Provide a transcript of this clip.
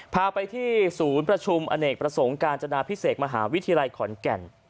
พาไปที่ศูนย์ประชุมอเนกประสงค์การจนาพิเศษมหาวิทยาลัยขอนแก่น